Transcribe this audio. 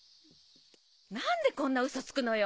何でこんなウソつくのよ！